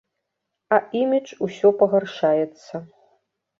А імідж усё пагаршаецца.